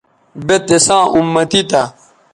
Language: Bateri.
بے تِساں اُمتی تھا